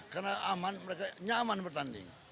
karena aman mereka nyaman bertanding